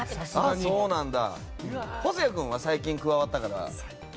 細谷君は最近加わったから。